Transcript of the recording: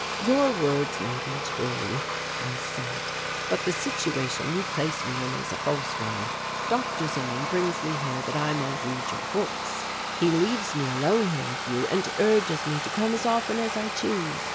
"Your words may be true," I said, "but the situation you place me in is a false one. Dr. Zimmern brings me here that I may read your books. He leaves me alone here with you and urges me to come as often as I choose.